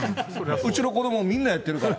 うちの子ども、みんなやってるから。